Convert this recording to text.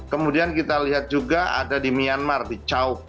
kemudian kita lihat juga ada di myanmar di cauk